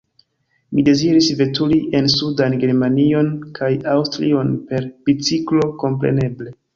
Mi deziris veturi en sudan Germanion kaj Aŭstrion, per biciklo, kompreneble.